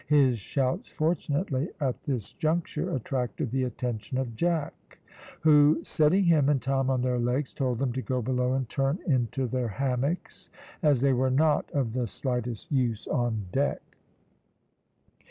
His shouts fortunately at this juncture attracted the attention of Jack, who, setting him and Tom on their legs, told them to go below and turn into their hammocks, as they were not of the slightest use on deck.